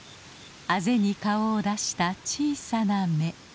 あぜに顔を出した小さな芽。